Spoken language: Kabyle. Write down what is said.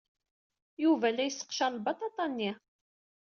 Yuba la yesseqcar lbaṭaṭa-nni.